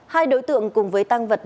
hai đối tượng cùng với tăng vật